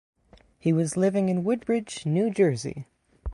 He was living in Woodbridge, New Jersey.